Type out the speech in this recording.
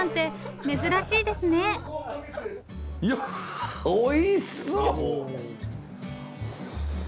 いやおいしそう！